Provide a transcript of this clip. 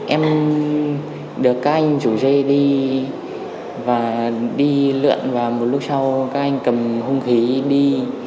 em được các anh chủ dê đi và đi lượn vào một lúc sau các anh cầm hung khí đi